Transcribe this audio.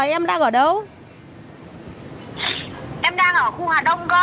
thế nha chị nha